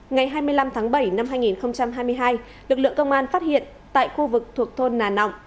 ngày hai mươi năm tháng bảy năm hai nghìn hai mươi hai lực lượng công an phát hiện tại khu vực thuộc thôn nà nọng